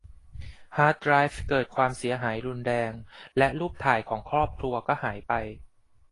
ฮาร์ดไดรฟ์เกิดความเสียหายรุนแรงและรูปถ่ายของครอบครัวก็หายไป